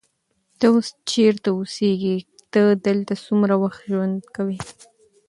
ته اوس چیرته اوسېږې؟ ته دلته څومره وخت ژوند کوې؟